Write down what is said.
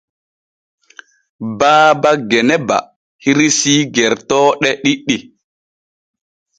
Baaba Genaba hirsii gertooɗe ɗiɗi.